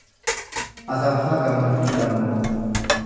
Asaffaa Gammachuu Dammoo